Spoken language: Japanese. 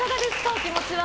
お気持ちは。